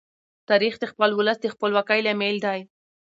تاریخ د خپل ولس د خپلواکۍ لامل دی.